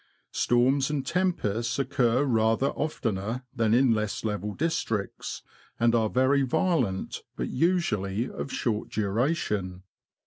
Storms and tempests occur rather oftener than in less level districts, and are very violent, but usually of short duration.